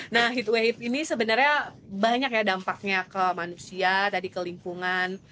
nah heatway ini sebenarnya banyak ya dampaknya ke manusia tadi ke lingkungan